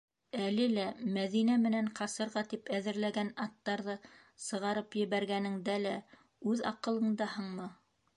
Әле лә, Мәҙинә менән ҡасырға тип әҙерләгән аттарҙы сығарып ебәргәнеңдә лә, үҙ аҡылыңдаһыңмы?!